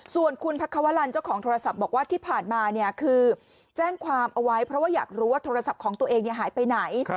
ส่วนคุณพักควรรณเจ้าของโทรศัพท์บอกว่าที่ผ่านมาคือแจ้งความเอาไว้เพราะว่าอยากรู้ว่าโทรศัพท์ของตัวเองหายไปไหน